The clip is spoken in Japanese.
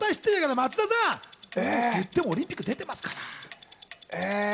松田さん、オリンピック出てますから。